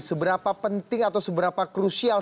seberapa penting atau seberapa krusial